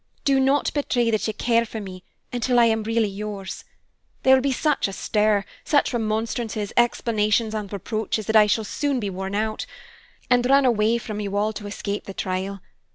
Do not betray that you care for me until I am really yours. There will be such a stir, such remonstrances, explanations, and reproaches that I shall be worn out, and run away from you all to escape the trial.